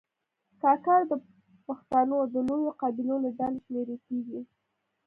کاکړ د پښتنو د لویو قبیلو له ډلې شمېرل کېږي.